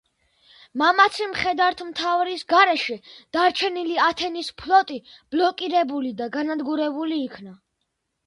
მამაცი მხედართმთავრის გარეშე დარჩენილი ათენის ფლოტი ბლოკირებული და განადგურებული იქნა.